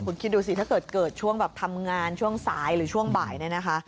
คุณคิดดูสิถ้าเกิดเกิดช่วงแบบทำงานช่วงสายหรือช่วงบ่ายเนี่ยนะคะ